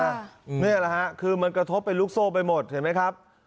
เค้าเรียกได้รึครับมันกระทบเป็นลูกโซไปหมดเห็นไหมครับ